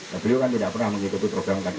nah beliau kan tidak pernah mengikuti program tadi